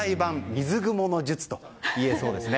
水蜘蛛の術といえそうです。